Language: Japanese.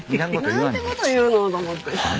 「なんて事言うの！？」と思って。